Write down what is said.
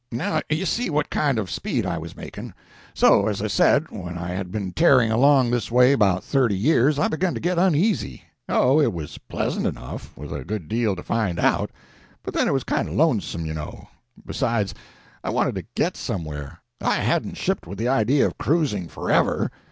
Now you see what kind of speed I was making. So, as I said, when I had been tearing along this way about thirty years I begun to get uneasy. Oh, it was pleasant enough, with a good deal to find out, but then it was kind of lonesome, you know. Besides, I wanted to get somewhere. I hadn't shipped with the idea of cruising forever.